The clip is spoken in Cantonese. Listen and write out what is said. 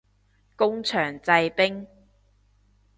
工場製冰